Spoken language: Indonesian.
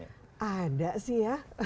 ada sih ya